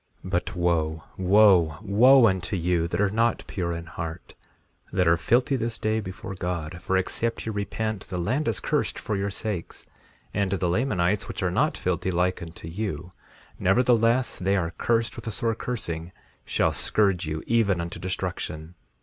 3:3 But, wo, wo, unto you that are not pure in heart, that are filthy this day before God; for except ye repent the land is cursed for your sakes; and the Lamanites, which are not filthy like unto you, nevertheless they are cursed with a sore cursing, shall scourge you even unto destruction.